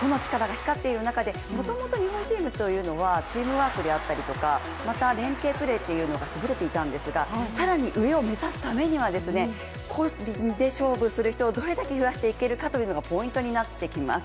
個の力が光っている中でもともと日本チームというのはチームワークであったりとか連係プレーがすぐれていたんですが更に上を目指すためには、個で勝負する人をどれだけ増やしていけるかがポイントになってきます。